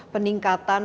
sebagai sebuah perusahaan